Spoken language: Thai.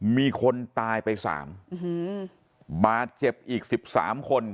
มีคนตายไปสามอือฮือบาดเจ็บอีกสิบสามคน